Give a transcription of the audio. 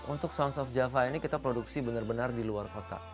untuk sounds of java ini kita produksi benar benar di luar kota